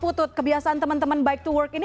putut kebiasaan teman teman bike to work ini